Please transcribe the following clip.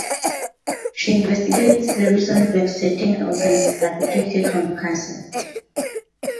She investigates the reasons that certain organs are protected from cancer.